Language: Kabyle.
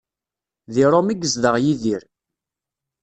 Deg Rome i yezdeɣ Yidir.